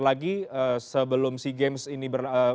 lagi sebelum sea games ini